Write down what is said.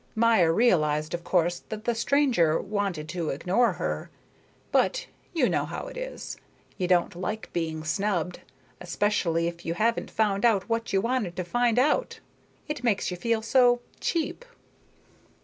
Maya realized, of course, that the stranger wanted to ignore her, but you know how it is you don't like being snubbed, especially if you haven't found out what you wanted to find out. It makes you feel so cheap.